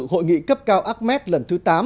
hội nghị cấp cao ahmed lần thứ tám